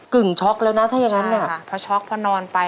ึ่งช็อกแล้วนะถ้าอย่างนั้นเนี่ยพอช็อกพอนอนไป